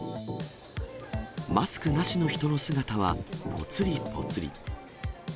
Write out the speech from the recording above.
マスクなしの人の姿はぽつりぽつり。